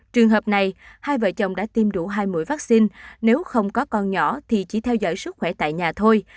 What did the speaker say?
trường hợp này hai vợ chồng đã tiêm đủ hai mũi vaccine nếu không có con nhỏ thì chỉ theo dõi sức khỏe tại nhà thôi